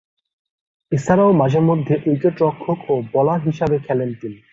এছাড়াও মাঝে-মধ্যে উইকেট-রক্ষক ও বোলার হিসেবে খেলতেন তিনি।